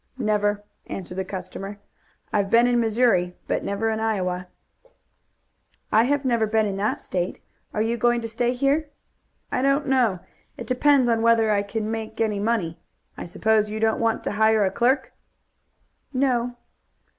"Never," answered the customer. "I've been in Missouri, but never in Iowa." "I have never been in that State. Are you going to stay here?" "I don't know. It depends on whether I can make any money. I suppose you don't want to hire a clerk?" "No."